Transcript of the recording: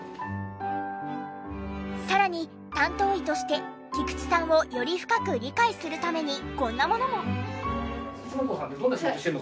さらに担当医として菊池さんをより深く理解するためにこんなものも。